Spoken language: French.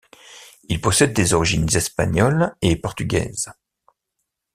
Il possède des origines espagnoles et portugaises.